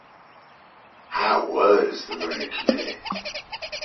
How was the murder committed?